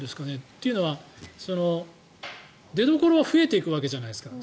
というのは、出どころは増えていくわけじゃないですか。